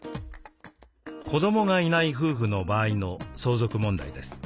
「子どもがいない夫婦の場合」の相続問題です。